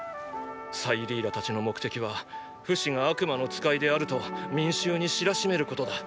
サイリーラたちの目的はフシが悪魔の使いであると民衆に知らしめることだ。